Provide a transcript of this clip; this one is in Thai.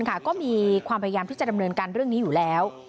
ก็มีความพยายามที่จะดำเนินการเรื่องนี้อยู่แล้ว